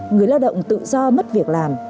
người lao động tự do mất việc làm